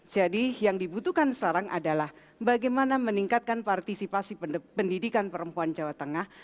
jadi yang dibutuhkan sekarang adalah bagaimana meningkatkan partisipasi pendidikan perempuan jawa tengah